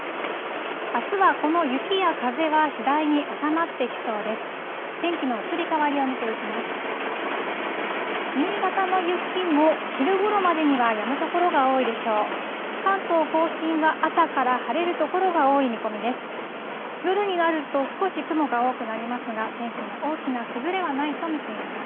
あすはこの雪や風は次第に収まってきそうです。